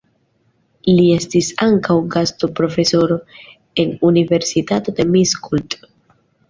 Li estis ankaŭ gastoprofesoro en Universitato de Miskolc.